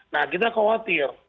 nah kita khawatir